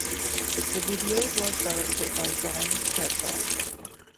The video was directed by Dawn Shadforth.